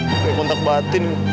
kayak kontak batin